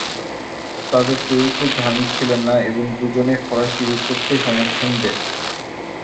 তাদের কেউই খুব ধার্মিক ছিলেন না, এবং দুজনেই ফরাসি বিপ্লবকে সমর্থন দেন।